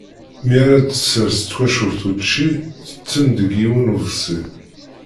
Mi ara d-tessers twacult učči, tetten deg yiwen n uḍebsi.